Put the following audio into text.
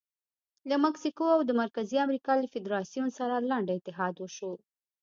له مکسیکو او د مرکزي امریکا له فدراسیون سره لنډ اتحاد وشو.